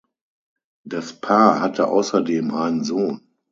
Das Paar hatte außerdem einen Sohn.